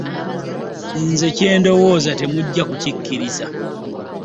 Nze kye ndowooza temujja kukikkiriza.